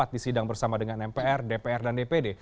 di sidang bersama dengan mpr dpr dan dpd